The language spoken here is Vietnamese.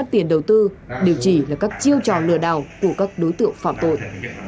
điều chỉ là các chiêu trò lừa đảo của các đối tượng phạm tội